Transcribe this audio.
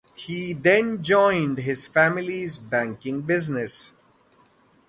He then joined his family's banking business.